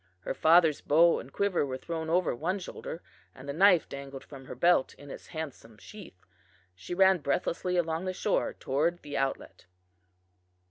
Her father's bow and quiver were thrown over one shoulder, and the knife dangled from her belt in its handsome sheath. She ran breathlessly along the shore toward the outlet.